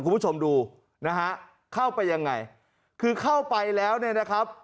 คุณผู้ชมดูนะฮะเข้าไปยังไงคือเข้าไปแล้วเนี่ยนะครับ